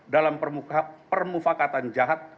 dalam permufakatan jahat